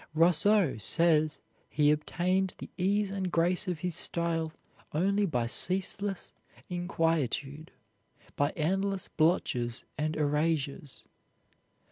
Rousseau says he obtained the ease and grace of his style only by ceaseless inquietude, by endless blotches and erasures.